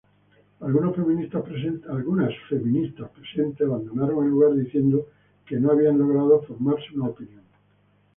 Algunos feministas presentes abandonaron el lugar diciendo que no habían logrado formarse una opinión.